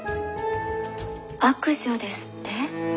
悪女ですって？